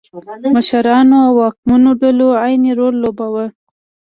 مشرانو او واکمنو ډلو عین رول لوباوه.